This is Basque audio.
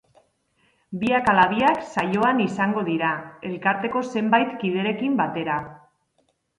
Biak ala biak saioan izango dira, elkarteko zenbait kiderekin batera.